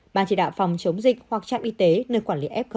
ban chỉ đạo phòng chống dịch hoặc trạm y tế nơi quản lý f một